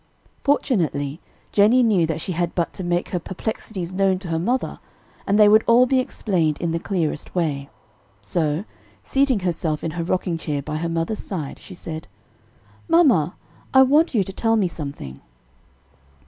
Fortunately, Jennie knew that she had but to make her perplexities known to her mother and they would all be explained in the clearest way; so, seating herself in her rocking chair by her mother's side, she said: "Mamma, I want you to tell me something."